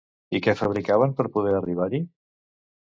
I què fabricaven per poder arribar-hi?